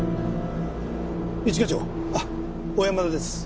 一課長小山田です。